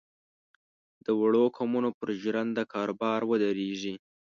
د وړو قومونو پر ژرنده کاروبار ودرېږي.